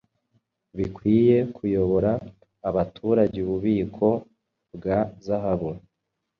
Bikwiye kuyobora abaturageububiko bwa zahabu